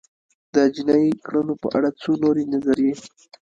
د جنایي کړنو په اړه څو نورې نظریې